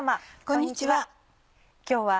こんにちは。